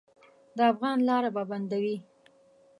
د افغان لاره به بندوي.